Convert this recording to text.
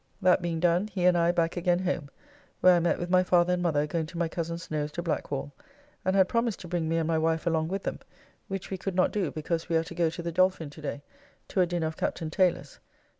That being done, he and I back again home, where I met with my father and mother going to my cozen Snow's to Blackwall, and had promised to bring me and my wife along with them, which we could not do because we are to go to the Dolphin to day to a dinner of Capt. Tayler's.